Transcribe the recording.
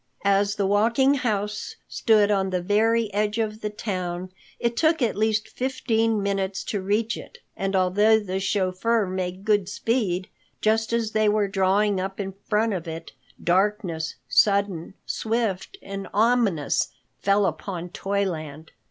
As the Walking House stood on the very edge of the town, it took at least fifteen minutes to reach it, and although the chauffeur made good speed, just as they were drawing up in front of it, darkness, sudden, swift and ominous, fell upon Toyland.